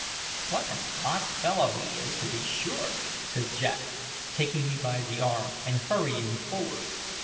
"What an odd fellow he is, to be sure!" said Jack, taking me by the arm and hurrying forward.